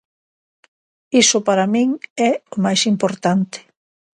Iso para min é o máis importante.